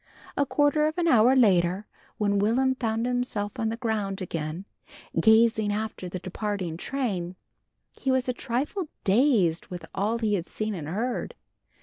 A quarter of an hour later when Will'm found himself on the ground again, gazing after the departing train, he was a trifle dazed with all he had seen and heard.